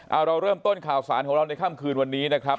เอาเราเริ่มต้นข่าวสารของเราในค่ำคืนวันนี้นะครับ